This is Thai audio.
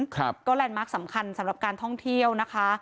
ครับก็แลนด์มาร์คสำคัญสำหรับการท่องเที่ยวนะคะ